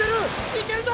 行けるぞ！